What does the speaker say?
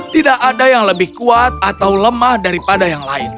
tidak ada yang lebih kuat atau lemah daripada yang lain